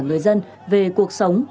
người dân về cuộc sống